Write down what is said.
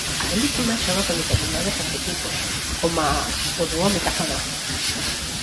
A película xoga con determinados arquetipos, coma o do home cazador.